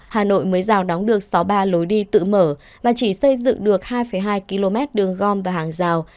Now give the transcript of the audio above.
hà nội mới rào đóng được sáu mươi ba lối đi tự mở và chỉ xây dựng được hai hai km đường gom và hàng rào